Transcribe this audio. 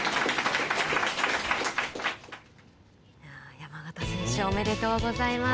山縣選手おめでとうございます。